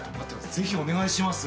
ぜひお願いします！